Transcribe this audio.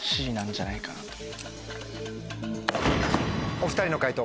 お２人の解答